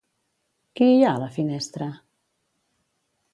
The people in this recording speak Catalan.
Qui hi ha a la finestra?